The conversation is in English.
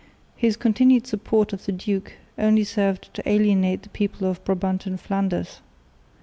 His continued support of the duke only served to alienate the people of Brabant and Flanders.